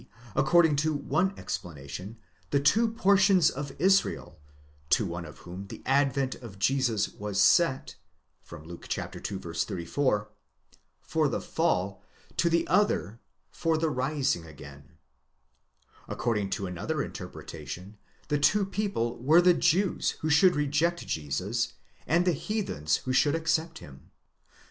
according to one explanation, the two portions of Israel, to one of whom the advent of Jesus was set (Luke ii. 34) εἰς πτῶσιν, for the fall, to the other εἰς ἀνάστασιν, for the rising again. According to another interpre tation, the two people were the Jews who should reject Jesus, and the heathens who should accept him."